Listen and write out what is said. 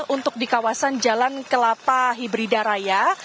untuk di kawasan jalan kelapa hibrida raya